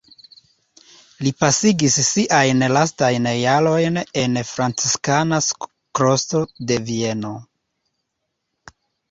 Li pasigis siajn lastajn jarojn en franciskana klostro de Vieno.